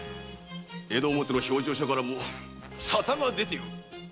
江戸表の評定所からも沙汰が出ておる！